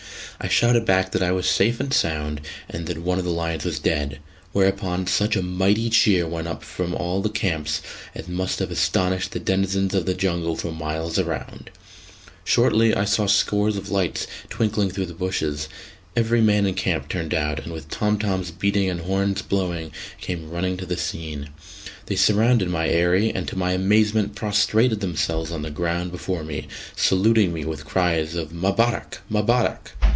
I shouted back that I was safe and sound, and that one of the lions was dead: whereupon such a mighty cheer went up from all the camps as must have astonished the denizens of the jungle for miles around. Shortly I saw scores of lights twinkling through the bushes: every man in camp turned out, and with tom toms beating and horns blowing came running to the scene. They surrounded my eyrie, and to my amazement prostrated themselves on the ground before me, saluting me with cries of "Mabarak! Mabarak!"